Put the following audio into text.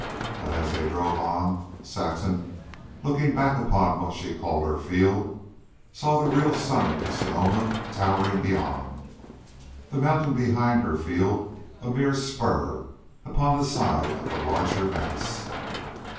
But, as they drove on, Saxon, looking back upon what she called her field, saw the real summit of Sonoma towering beyond, the mountain behind her field a mere spur upon the side of the larger mass.